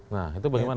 nah itu bagaimana pak